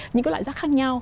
những loại rác khác nhau